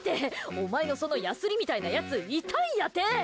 お前のそのやすりみたいなやつ痛いんやて！